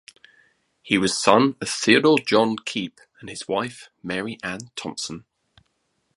He was son of Theodore John Keep and his wife Mary Ann Thompson.